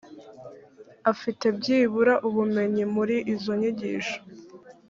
afite byibura ubumenyi muri izo nyigisho